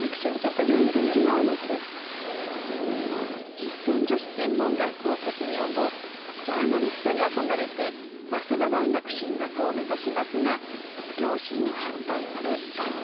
実践女子専門学校卒業後ジャーナリストに憧れて早稲田大学進学を目指しますが両親に反対され断念。